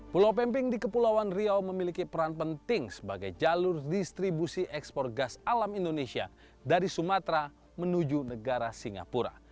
pulau pemping di kepulauan riau memiliki peran penting sebagai jalur distribusi ekspor gas alam indonesia dari sumatera menuju negara singapura